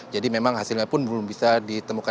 jadi memang hasilnya pun belum bisa ditemukan